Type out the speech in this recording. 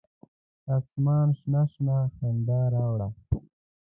اسمان شنه، شنه خندا راوړه